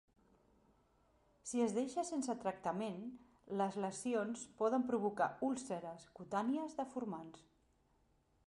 Si es deixa sense tractament, les lesions poden provocar úlceres cutànies deformants.